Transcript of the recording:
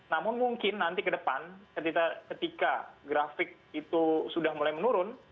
namun mungkin nanti ke depan ketika grafik itu sudah mulai menurun